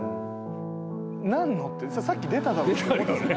なんの？ってさっき出ただろって。